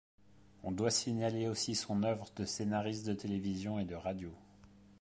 On doit signaler aussi son œuvre de scénariste de télévision et de radio.